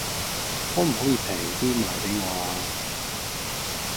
可唔可以平啲賣俾我呀